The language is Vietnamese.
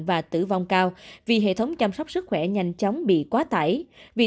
và tử vong cao vì hệ thống chăm sóc sức khỏe nhanh chóng bị quá tải